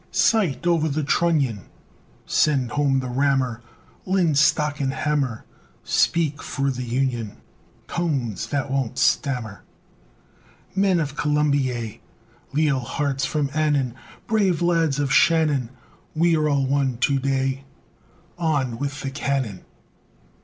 Sight o'er the trunnion Send home the rammer Linstock and hammer! Speak for the Union! Tones that won't stammer! Men of Columbia, Leal hearts from Annan, Brave lads of Shannon! We are all one to day On with the cannon!